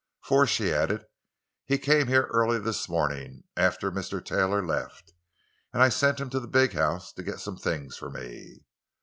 "For," she added, "he came here early this morning, after Mr. Taylor left, and I sent him to the big house to get some things for me."